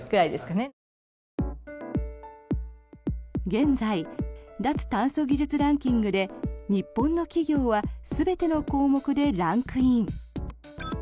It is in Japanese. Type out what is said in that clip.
現在、脱炭素技術ランキングで日本の企業は全ての項目でランクイン。